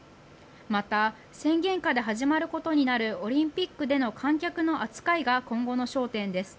また、宣言下で始まることになるオリンピックでの観客の扱いが今後の焦点です。